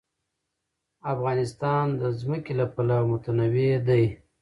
افغانستان د ځمکه له پلوه متنوع دی.